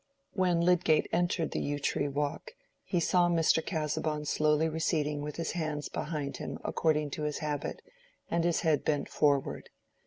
When Lydgate entered the Yew tree Walk he saw Mr. Casaubon slowly receding with his hands behind him according to his habit, and his head bent forward.